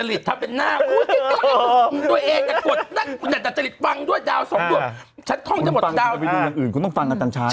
ก็ถามเขาอาต้องคุยก็คุยก่อน